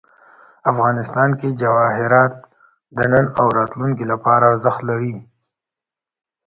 افغانستان کې جواهرات د نن او راتلونکي لپاره ارزښت لري.